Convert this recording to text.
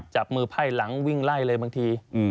จับมือไพ่หลังวิ่งไล่เลยบางที